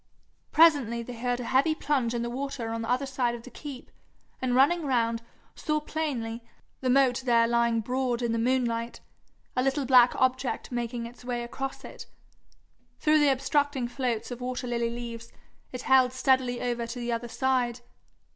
Presently they heard a heavy plunge in the water on the other side of the keep, and running round, saw plainly, the moat there lying broad in the moonlight, a little black object making its way across it. Through the obstructing floats of water lily leaves, it held steadily over to the other side.